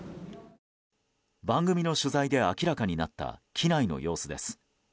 番組の取材で明らかになった機内の様子です。